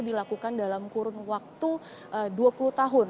dilakukan dalam kurun waktu dua puluh tahun